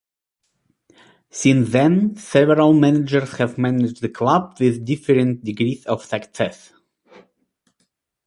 Since then, several managers have managed the club with differing degrees of success.